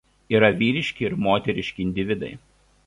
Yra vyriški ir moteriški individai.